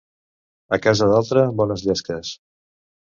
A casa d'altre, bones llesques.